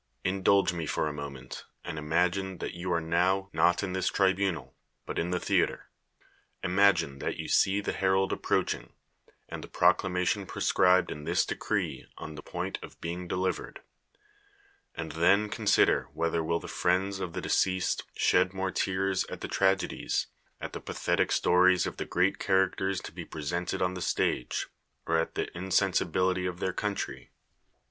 In dulge me for a moment, and imagine that you are now not in this tribunal, but in the theater; imagine that you see the herald approaching, and the proclamation prescri])ed in this decree on the point of being delivered; and then con sider whether will the friends of the deceased shed more tears at the tragedies, at the pathetic stories of the great characters to be presented on the stage, or at the insensibility of their country?